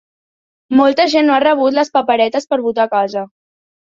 Molta gent no ha rebut les paperetes per votar a casa